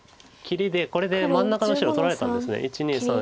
これで真ん中の白取られたんです。